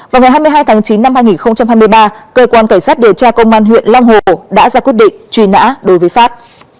vào ngày hai mươi hai tháng chín năm hai nghìn hai mươi ba cơ quan cảnh sát điều tra công an huyện long hồ đã ra quyết định truy nã đối với pháp